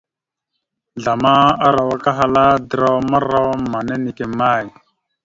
Zlama arawak ahala: draw marawa mamma neke may ?